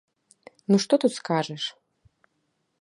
Ну што тут скажаш?